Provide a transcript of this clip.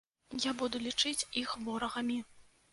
Я буду лічыць іх ворагамі.